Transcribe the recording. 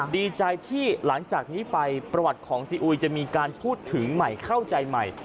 ดีใจที่หลังจากนี้ไปประวัติของซีอุยจะมีการพูดถึงใหม่เข้าใจใหม่